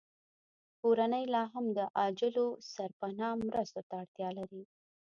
کورنۍ لاهم د عاجلو سرپناه مرستو ته اړتیا لري